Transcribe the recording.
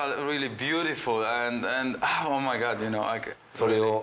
それを。